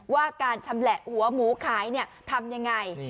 ว่าการชำแหละหัวหมูขายทำยังไง